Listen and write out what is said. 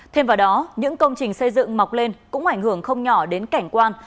thêm vào đó những công trình xây dựng mọc lên cũng ảnh hưởng không nhỏ đến cảnh quan